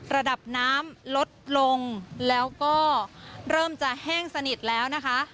ระดับน้ำลดลงแล้วก็เริ่มจะแห้งสนิทแล้วนะคะ